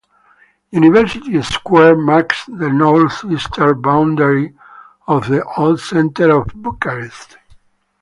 University Square marks the northeastern boundary of the Old Center of Bucharest.